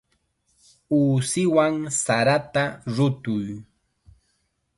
Uusiwan sarata rutuy.